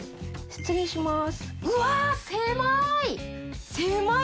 失礼します